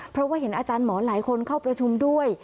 เพราะว่าเห็นอาจารย์หมอหลายคนเข้าประชุมด้วย